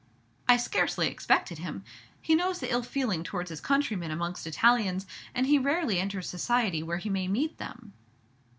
"I scarcely expected him. He knows the ill feeling towards his countrymen amongst Italians, and he rarely enters society where he may meet them."